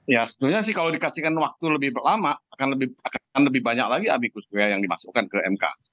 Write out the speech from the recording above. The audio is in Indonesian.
ya sebetulnya sih kalau dikasihkan waktu lebih lama akan lebih banyak lagi abikus buya yang dimasukkan ke mk